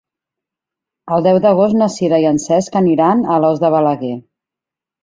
El deu d'agost na Sira i en Cesc aniran a Alòs de Balaguer.